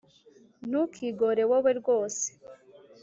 ntukigore wowe rwose